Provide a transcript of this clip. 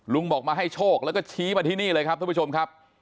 บอกมาให้โชคแล้วก็ชี้มาที่นี่เลยครับท่านผู้ชมครับ